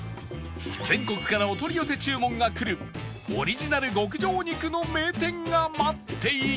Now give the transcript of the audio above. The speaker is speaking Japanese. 全国からお取り寄せ注文がくるオリジナル極上肉の名店が待っていた